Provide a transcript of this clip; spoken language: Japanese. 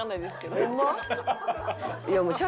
ホンマ？